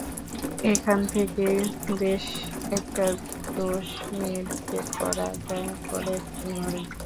এখান থেকেই বেশ একটা জোশ নিয়ে ঢুকে পড়া যায় পরের ঘরে।